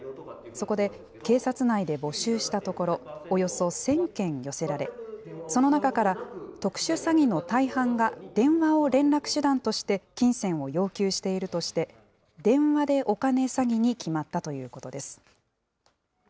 そこで警察内で募集したところ、およそ１０００件寄せられ、その中から、特殊詐欺の大半が、電話を連絡手段として金銭を要求しているとして、電話でお金詐欺に決まったということです。